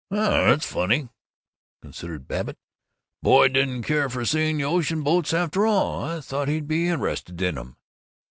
"That's funny," considered Babbitt. "The boy didn't care for seeing the ocean boats after all. I thought he'd be interested in 'em."